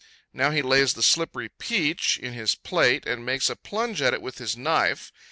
Now he lays the slippery peach in his plate, and makes a plunge at it with his knife.